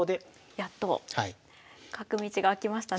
やっと角道が開きましたね。